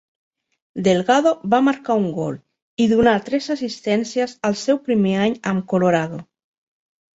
Delgado va marcar un gol i donar tres assistències el seu primer any amb Colorado.